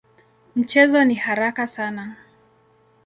Mchezo ni haraka sana.